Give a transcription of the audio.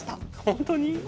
本当に！